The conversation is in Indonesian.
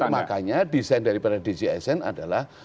makanya desain daripada dg sn adalah